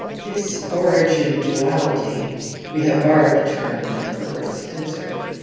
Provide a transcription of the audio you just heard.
This rigin duality, we have borrowed the term from erbert Spcncer^®?